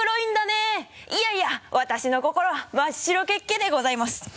いやいや私の心は「真っ白けっけ」でございます。